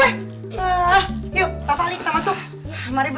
yuh pak fali kita masuk